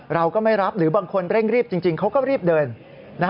เราก็ไม่รับหรือบางคนเร่งรีบจริงเขาก็รีบเดิน